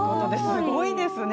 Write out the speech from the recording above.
すごいですね。